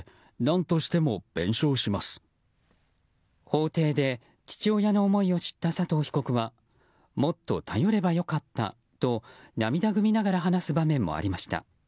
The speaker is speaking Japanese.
法廷で父親の思いを知った佐藤被告はもっと頼ればよかったと涙ぐみながら話す場面もありました。